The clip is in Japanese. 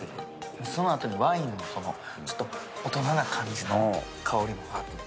そのあとにワインのちょっと大人な感じの香りもふわっと来る。